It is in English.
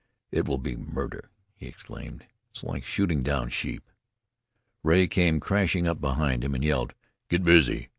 "It will be murder!" he exclaimed. "It's like shooting down sheep." Rea came crashing up behind him and yelled, "Get busy.